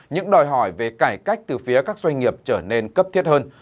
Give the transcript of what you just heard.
những đòi hỏi về cải cách từ phía các doanh nghiệp trở nên cấp thiết hơn